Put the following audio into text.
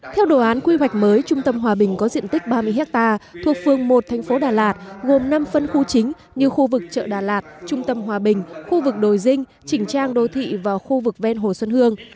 theo đồ án quy hoạch mới trung tâm hòa bình có diện tích ba mươi hectare thuộc phương một thành phố đà lạt gồm năm phân khu chính như khu vực chợ đà lạt trung tâm hòa bình khu vực đồi dinh trình trang đô thị và khu vực ven hồ xuân hương